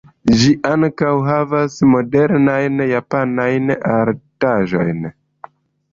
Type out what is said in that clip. Ĝi ankaŭ enhavas modernajn japanajn artaĵojn.